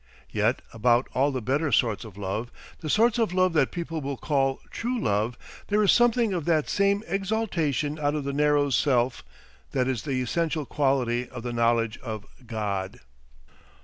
Yet about all the better sorts of love, the sorts of love that people will call "true love," there is something of that same exaltation out of the narrow self that is the essential quality of the knowledge of God.